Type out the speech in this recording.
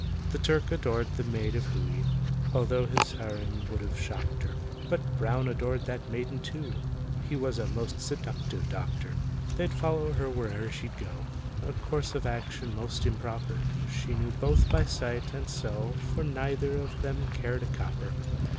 The Turk adored the maid of Hooe (Although his harem would have shocked her). But BROWN adored that maiden too: He was a most seductive doctor. They'd follow her where'er she'd go— A course of action most improper; She neither knew by sight, and so For neither of them cared a copper.